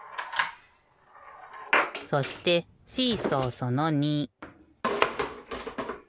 そしてシーソーその２。